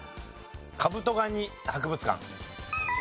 カブトガニ博物館。